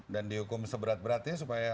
dan dihukum seberat beratnya supaya